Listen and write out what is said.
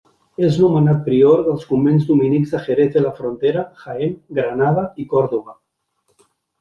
És nomenat prior dels convents dominics de Jerez de la Frontera, Jaén, Granada i Còrdova.